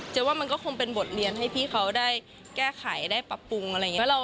ว่ามันก็คงเป็นบทเรียนให้พี่เขาได้แก้ไขได้ปรับปรุงอะไรอย่างนี้